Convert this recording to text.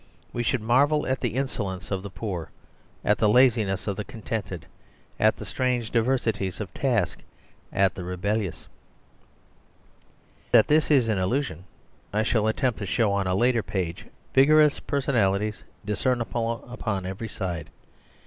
We should marvel at the insolence of the poor, at the laziness of the contented, at the strange diversities of task, at the rebellious, * That this is an illusion I shall attempt to show on a later page. 114 EASIEST SOLUTION vigorous personalities discernible upon every side.